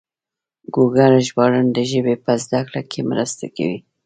ګوګل ژباړن د ژبې په زده کړه کې مرسته کوي.